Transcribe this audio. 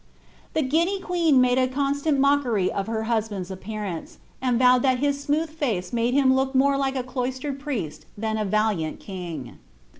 The giddy queen made a con itant mockery of her husband^s appearance, and vowed that his smooth kce made him look more like a cloistered priest than a valiant king.